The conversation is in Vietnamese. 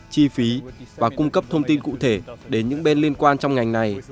chi phí và cung cấp thông tin cụ thể đến những bên liên quan trong ngành này